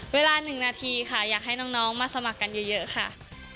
เวลา๑นาทีค่ะอยากให้น้องมาสมัครกันเยอะค่ะ